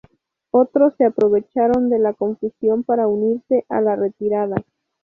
Otros se aprovecharon de la confusión para unirse a la retirada.